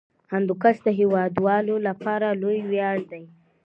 هندوکش د هیوادوالو لپاره لوی ویاړ دی.